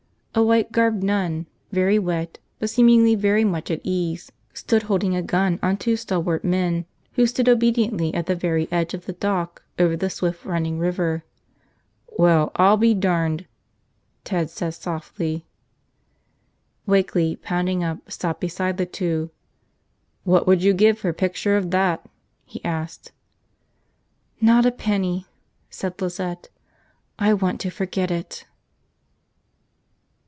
A white garbed nun, very wet but seemingly very much at ease, stood holding a gun on two stalwart men who stood obediently at the very edge of the dock over the swift running river. "Well, I'll be darned," Ted said softly. Wakeley, pounding up, stopped beside the two. "What would you give for a picture of that?" he asked. "Not a penny," said Lizette. "I want to forget it."